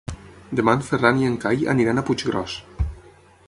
Demà en Ferran i en Cai aniran a Puiggròs.